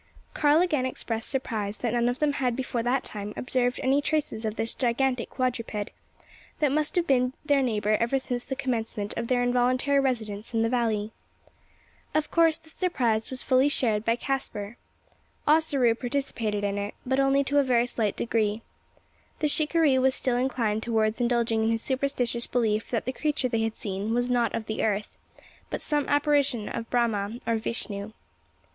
Karl again expressed surprise that none of them had before that time observed any traces of this gigantic quadruped, that must have been their neighbour ever since the commencement of their involuntary residence in the valley. Of course this surprise was fully shared by Caspar. Ossaroo participated in it, but only to a very slight degree. The shikaree was still inclined towards indulging in his superstitious belief that the creature they had seen was not of the earth, but some apparition of Brahma or Vishnu.